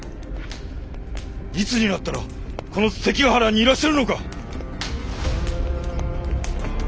いつになったらこの関ヶ原にいらっしゃるのか！